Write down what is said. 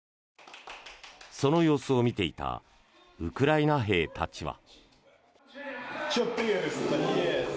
その様子を見ていたウクライナ兵たちは。